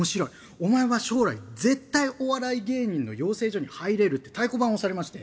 お前は将来絶対お笑い芸人の養成所に入れるって太鼓判押されまして。